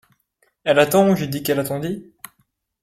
Elle attend où j’ai dit qu’elle attendît?